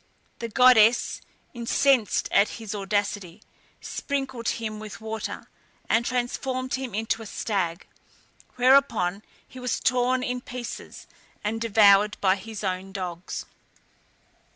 The goddess, incensed at his audacity, sprinkled him with water, and transformed him into a stag, whereupon he was torn in pieces and devoured by his own dogs.